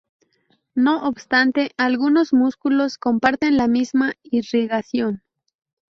No obstante, algunos músculos comparten la misma irrigación.